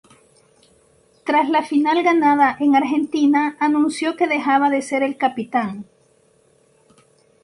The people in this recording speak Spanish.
Tras la final ganada en Argentina anunció que dejaba de ser el capitán.